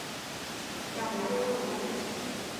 我要看一下那天要不要上班。